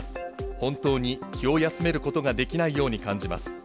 本当に気を休めることができないように感じます。